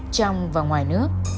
trong và ngoài nước